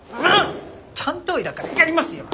担当医だからやりますよ！